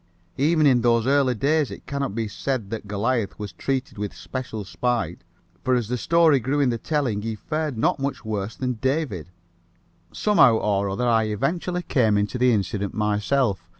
Even in those early days it cannot be said that Goliath was treated with special spite, for as the story grew in the telling he fared not much worse than David. Somehow or other I eventually came into the incident myself.